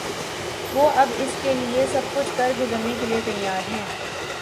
وہ اب اس کے لیے سب کچھ کر گزرنے کے لیے تیار ہیں۔